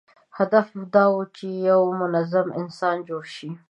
هدف دا و چې یو منظم انسان جوړ شي.